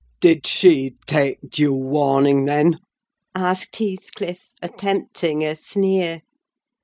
"Did she take due warning, then?" asked Heathcliff, attempting a sneer.